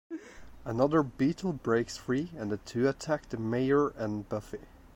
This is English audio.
Another beetle breaks free and the two attack the Mayor and Buffy.